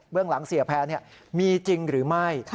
เรื่องหลังเสียแพร่มีจริงหรือไม่